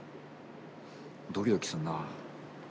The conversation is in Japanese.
ドキドキするなあ。